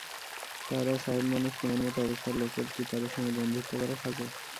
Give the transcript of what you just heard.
তারা সাহেব মানুষ, তোমার মতো অবস্থার লোকের কি তাদের সঙ্গে বন্ধুত্ব করা সাজে।